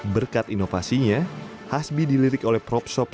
berkat inovasinya hasbi dilirik oleh prop shop